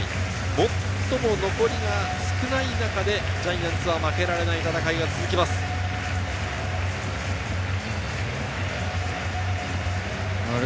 最も残りが少ない中でジャイアンツは負けられない戦いが続きます。